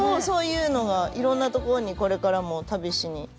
そういうのがいろんな所にこれからも旅しに。